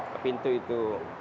ke pintu itu